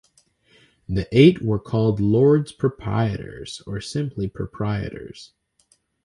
The eight were called "Lords Proprietors" or simply "Proprietors".